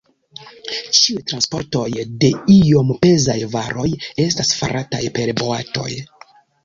Ĉiuj transportoj de iom pezaj varoj estas farataj per boatoj.